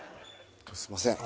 すみません。